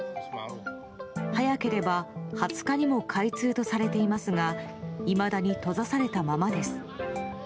早ければ２０日にも開通とされていますがいまだに閉ざされたままです。